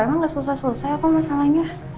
emang gak selesai selesai apa masalahnya